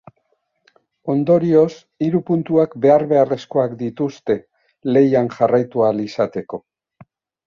Ondorioz, hiru puntuak behar-beharrezkoak dituzte lehian jarraitu ahal izateko.